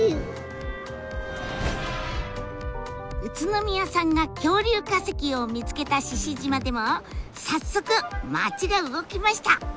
宇都宮さんが恐竜化石を見つけた獅子島でも早速町が動きました！